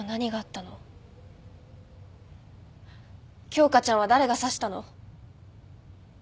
京花ちゃんは誰が刺したの？